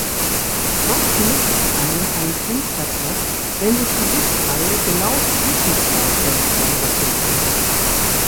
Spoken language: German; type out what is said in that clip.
Was nützt einem ein Fensterplatz, wenn sich die Sitzreihe genau zwischen zwei Fenstern befindet?